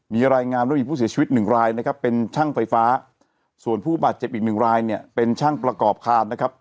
มีรายงานว่ามีผู้เสียชีวิต๑รายเป็นช่างไฟฟ้าส่วนผู้บาดเจ็บอีก๑รายเป็นช่างประกอบคาญ